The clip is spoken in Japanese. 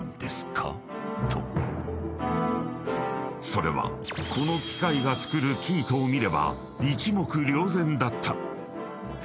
［それはこの機械が作る生糸を見れば一目瞭然だった］